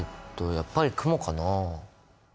やっぱりクモかな？